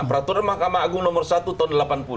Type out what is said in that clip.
peraturan mahkamah agung nomor satu tahun delapan puluh